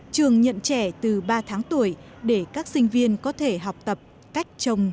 trường nhận trẻ từ ba tháng tuổi để các sinh viên có thể học tập cách trồng